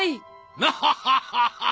ワハハハハ！